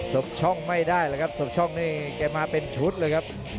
บช่องไม่ได้แล้วครับสบช่องนี่แกมาเป็นชุดเลยครับ